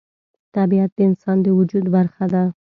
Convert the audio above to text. طبیعت د انسان د وجود برخه ده.